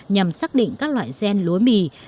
nhằm xác định các loại gen lúa mì